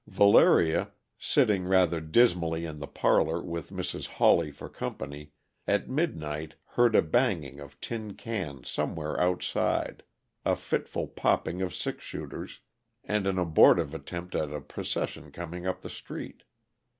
Valeria, sitting rather dismally in the parlor with Mrs. Hawley for company, at midnight heard a banging of tin cans somewhere outside, a fitful popping of six shooters, and an abortive attempt at a procession coming up the street.